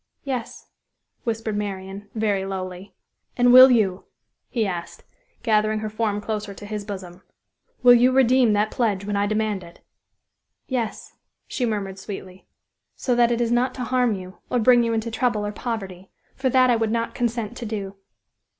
"Yes," whispered Marian, very lowly. "And will you," he asked, gathering her form closer to his bosom, "will you redeem that pledge when I demand it?" "Yes," she murmured sweetly, "so that it is not to harm you, or bring you into trouble or poverty; for that I would not consent to do!"